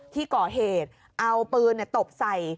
ที่ก่อเหตุเอาปืนตบใส่